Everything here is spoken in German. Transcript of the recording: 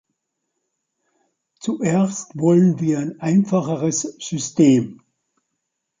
Zuerst wollen wir ein einfacheres System.